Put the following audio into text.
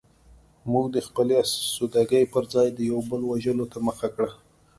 موږ د خپلې اسودګۍ پرځای د یو بل وژلو ته مخه کړه